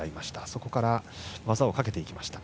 そこから技をかけていきました。